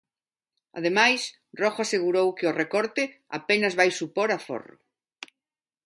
Ademais, Rojo asegurou que o recorte "apenas vai supor aforro".